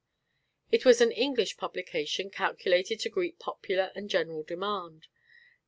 It was an English publication calculated to meet popular and general demand.